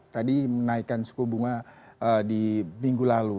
tadi menaikkan suku bunga di minggu lalu